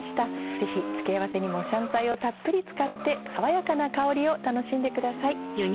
ぜひ付け合わせにも香菜をたっぷり使って爽やかな香りを楽しんでください。